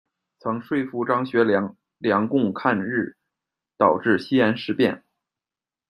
曾说服张学良联共抗日，导致“西安事变”。